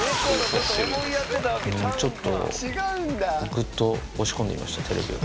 ちょっと、ぐっと押し込んでみました、テレビを。